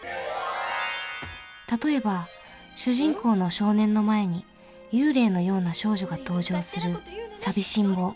例えば主人公の少年の前に幽霊のような少女が登場する「さびしんぼう」。